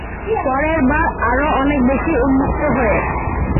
পরের বার আরও অনেক বেশি উন্মুক্ত হয়ে।